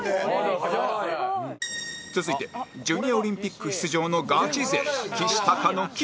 続いてジュニアオリンピック出場のガチ勢きしたかの岸